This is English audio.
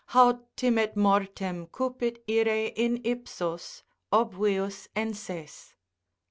Haud timet mortem, cupit ire in ipsos ———obvius enses.